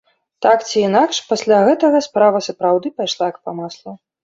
Так ці інакш, пасля гэтага справа сапраўды пайшла як па маслу.